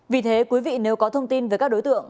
vì thế quý vị nếu có thông tin về các đối tượng